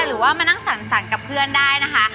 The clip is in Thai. หรือว่ามานั่งสรรกับเพื่อนได้นะคะ